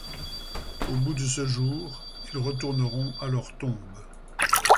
Au bout de ce jour ils retourneront à leur tombe.